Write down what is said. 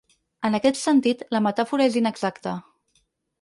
En aquest sentit, la metàfora és inexacta.